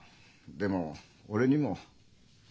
でも俺にも。